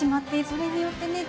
それによってね